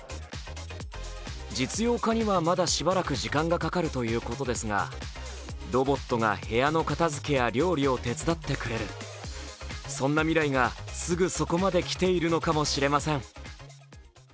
実用化にはまだしばらく時間がかかるということですがロボットが部屋の片づけや料理を手伝ってくれる、そんな未来がすぐそこまで来ているのかもしれません。